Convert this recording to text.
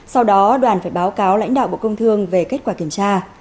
sau đó đoàn phải báo cáo lãnh đạo bộ công thương về kết quả kiểm tra